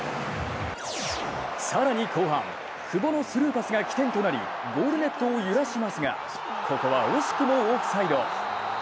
更に後半、久保のスルーパスが機転となりゴールネットを揺らしますが、ここは惜しくもオフサイド。